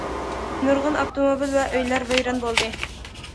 نۇرغۇن ئاپتوموبىل ۋە ئۆيلەر ۋەيران بولدى.